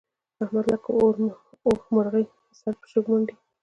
احمد لکه اوښمرغی سر په شګو منډي.